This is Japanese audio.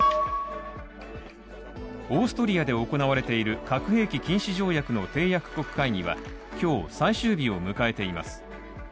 オーストリアで行われている核兵器禁止条約の締約国会議は今日、最終日を迎えています。